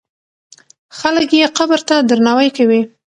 خلک یې قبر ته درناوی کوي.